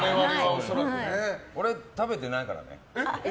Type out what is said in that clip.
俺、食べてないからね。